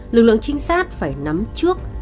lực lượng trinh sát phải nắm trước